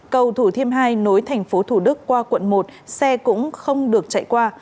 cầu thủ thiêm hai nối thành phố thủ đức qua quận một xe cũng không được chạy qua